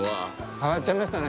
変わっちゃいましたね。